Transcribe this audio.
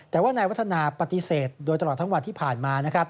แต่ว่านายวัฒนาปฏิเสธโดยตลอดทั้งวันที่ผ่านมานะครับ